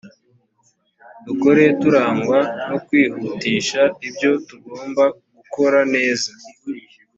dukora turangwa no kwihutisha ibyo tugomba gukora neza